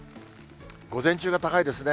午前中が高いですね。